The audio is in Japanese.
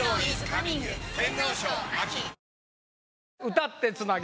歌ってつなげ！